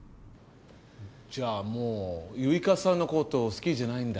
じゃあもう結花さんのこと好きじゃないんだ？